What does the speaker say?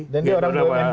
dan dia orang bumn